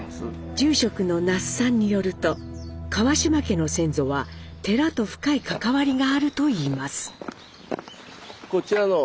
住職の那須さんによると川島家の先祖は寺と深い関わりがあるといいます。